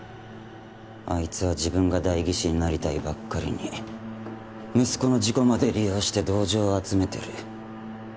あいつは自分が代議士になりたいばっかりに息子の事故まで利用して同情を集めてる。